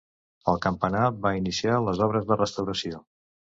El campanar va iniciar les obres de restauració.